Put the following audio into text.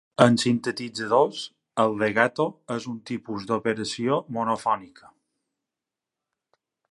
En sintetitzadors, el legato és un tipus d'operació monofònica.